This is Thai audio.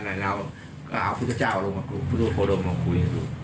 ก็เอาพระพุทธเจ้าลงมาคุย